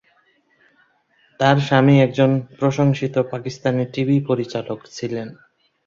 তার স্বামী একজন প্রশংসিত পাকিস্তানি টিভি পরিচালক ছিলেন।